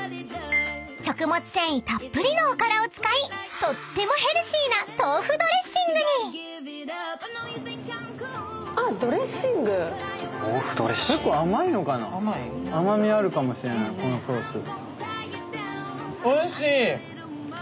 ［食物繊維たっぷりのおからを使いとってもヘルシーな豆腐ドレッシングに］甘味あるかもしれないこのソース。